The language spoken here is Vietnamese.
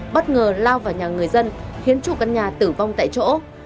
bất ngờ lao vào nhà người dân khiến chủ căn nhà tử vong tại chỗ